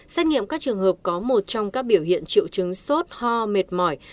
xét nghiệm các trường hợp có một trong các biểu hiện triệu chứng sốt ho mệt mỏi